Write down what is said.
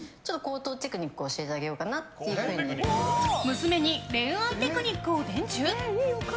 娘に恋愛テクニックを伝授？